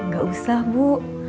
gak usah bu